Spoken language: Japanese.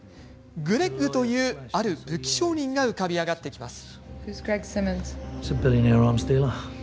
グレッグというある武器商人が浮かび上がってきます。